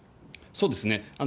そうですね。